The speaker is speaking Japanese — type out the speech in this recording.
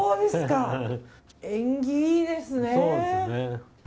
縁起いいですね！